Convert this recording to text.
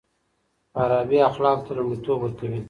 فارابي اخلاقو ته لومړيتوب ورکوي.